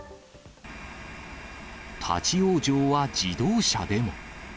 立往生は自動車でも。